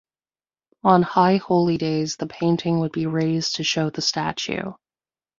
On high holy days the painting would be raised to show the statue.